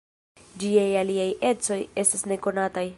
Ĝiaj aliaj ecoj estas nekonataj.